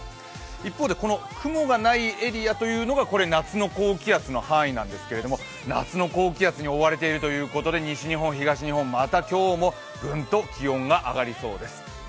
一方で雲がないエリアというのが夏の高気圧の範囲なんですけど夏の高気圧に覆われているということで西日本、東日本、また今日もぐんと気温が上がりそうです。